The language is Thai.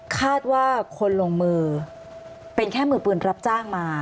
คาดว่าคนลงมือเป็นแค่มือปืนรับจ้างมา